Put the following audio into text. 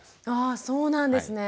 ああそうなんですね。